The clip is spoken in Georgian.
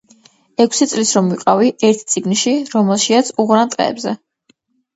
ექვსი წლის რომ ვიყავი, ერთ წიგნში, რომელიშიაც უღრან ტყეებზე